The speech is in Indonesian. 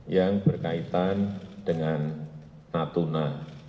yang berkaitan dengan natuna